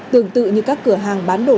tương tự như các cửa hàng bán đồ